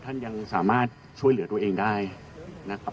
ยังสามารถช่วยเหลือตัวเองได้นะครับ